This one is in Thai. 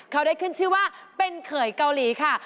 เขาได้ขึ้นชื่อว่าเป็นเขยเกาหลีค่ะ